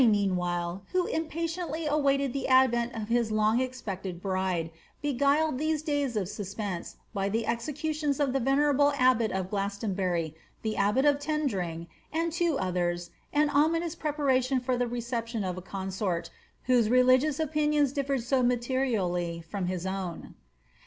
eantime, who impatiently awaited the advent of his long de, beguiled these days of suspense by the executions of e abbot of Glastonbury, the abbot of Tendring, and two Mninous preparation for the reception of a consort, whose nions differed so materially from his own.